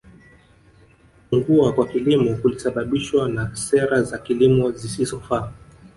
Kupungua kwa kilimo kulisababishwa na sera za kilimo zisizofaa